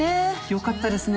良かったですね。